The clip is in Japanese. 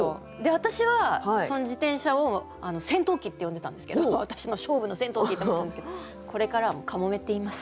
私はその自転車を「戦闘機」って呼んでたんですけど「私の勝負の戦闘機」って思ってたんですけどこれからはもう「かもめ」って言います。